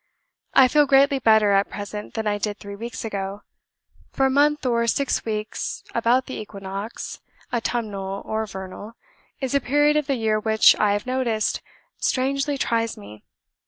I feel greatly better at present than I did three weeks ago. For a month or six weeks about the equinox (autumnal or vernal) is a period of the year which, I have noticed, strangely tries me.